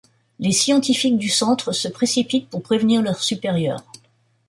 Les scientifiques du centre se précipitent pour prévenir leurs supérieurs.